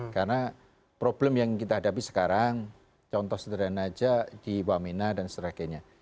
karena problem yang kita hadapi sekarang contoh sederhana aja di wamena dan sebagainya